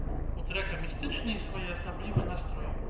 У трэка містычны і своеасаблівы настрой.